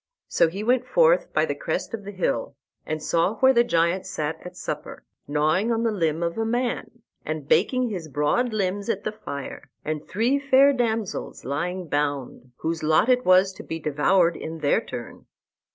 So he went forth by the crest of the hill, and saw where the giant sat at supper, gnawing on the limb of a man, and baking his broad limbs at the fire, and three fair damsels lying bound, whose lot it was to be devoured in their turn.